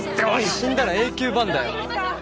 死んだら永久ＢＡＮだよ。